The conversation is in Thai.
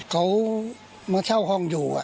เขามาเช่าห้องอยู่